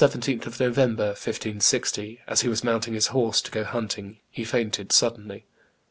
] On the 17th of November, 1560, as he was mounting his horse to go hunting, he fainted suddenly.